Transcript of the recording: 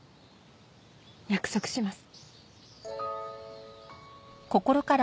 約束します。